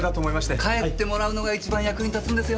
帰ってもらうのが一番役に立つんですよ。